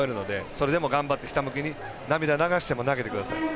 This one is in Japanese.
それでも、ひたむきに涙を流しても投げてください。